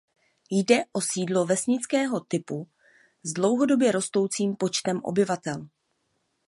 Jde o sídlo vesnického typu s dlouhodobě rostoucím počtem obyvatel.